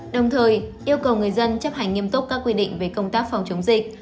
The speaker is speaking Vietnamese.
đồng thời yêu cầu người dân chấp hành nghiêm túc các quy định về công tác phòng chống dịch